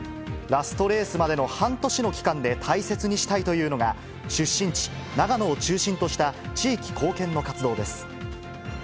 ラストレースまでの半年の期間で大切にしたいというのが、出身地、長野を中心とした地域貢献の活動です。